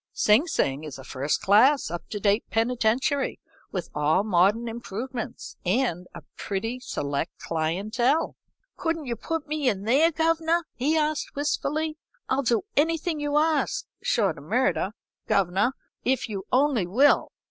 'Sing Sing is a first class, up to date penitentiary, with all modern improvements, and a pretty select clientele.' "'Couldn't you put me in there, governor?' he asked, wistfully. 'I'll do anything you ask, short o' murder, governor, if you only will.'